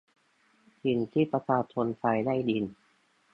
สิ่งที่ประชาชนไทยได้ยิน